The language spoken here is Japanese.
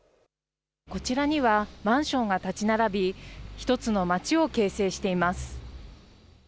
こちらにはマンションが建ち並び、一つの街を形成しています。